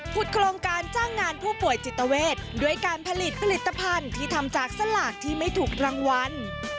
โครงการจ้างงานผู้ป่วยจิตเวทด้วยการผลิตผลิตภัณฑ์ที่ทำจากสลากที่ไม่ถูกรางวัล